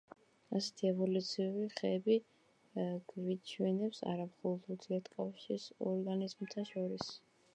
ასეთი ევოლუციური ხეები გვიჩვენებს არა მხოლოდ ურთიერთკავშირებს ორგანიზმთა შორის.